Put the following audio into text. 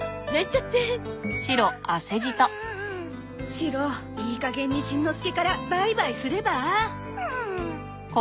シロいいかげんにしんのすけからバイバイすれば？